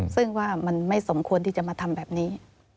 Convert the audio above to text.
ซึ่งว่ามันไม่สมควรที่จะมาทำแบบนี้